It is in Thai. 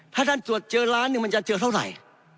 ถ้าท่านตรวจเจอล้านหนึ่งมันจะเจอเท่าไหร่